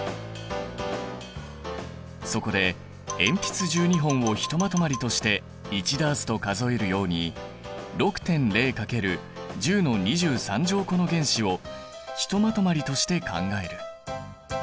そこで鉛筆１２本をひとまとまりとして１ダースと数えるように６．０×１０の２３乗個の原子をひとまとまりとして考える。